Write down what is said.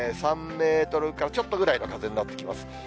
３メートルちょっとぐらいの風になってきます。